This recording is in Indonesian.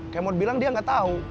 kemod bilang dia nggak tahu